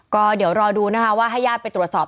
ก็เดี๋ยวรอดูนะคะว่าให้ญาติไปตรวจสอบ